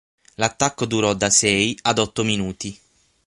L'attacco durò da sei ad otto minuti.